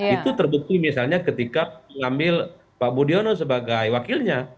itu terbukti misalnya ketika mengambil pak budiono sebagai wakilnya